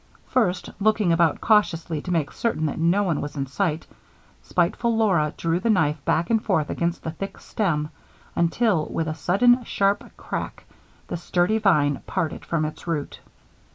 First looking about cautiously to make certain that no one was in sight, spiteful Laura drew the knife back and forth across the thick stem until, with a sudden, sharp crack, the sturdy vine parted from its root.